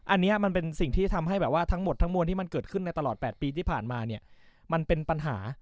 อันนี้มันเป็นสิ่งที่ทำให้แบบว่าทั้งหมดทั้งมวลที่มันเกิดขึ้นในตลอด๘ปีที่ผ่านมาเนี่ยมันเป็นปัญหา